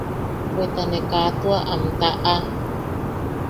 Bweta ne kaa tua am taʼa.